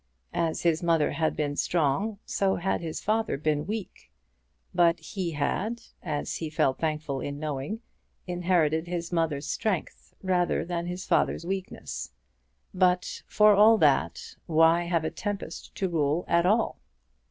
As his mother had been strong, so had his father been weak. But he had, as he felt thankful in knowing, inherited his mother's strength rather than his father's weakness. But, for all that, why have a tempest to rule at all?